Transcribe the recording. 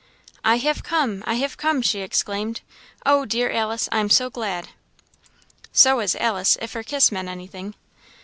"I have come! I have come!" she exclaimed. "Oh, dear Alice, I'm so glad!" So was Alice, if her kiss meant anything.